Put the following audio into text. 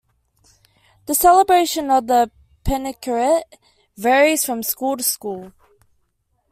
The celebration of the "penkkarit" varies from school to school.